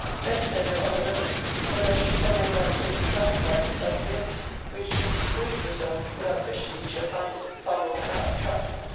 Then is '^ there no other remedy, but that you some way vouchsafe to satisfy this love's vehemency, which since it grew in yourself, without question you shall find it, far more than I, tractable."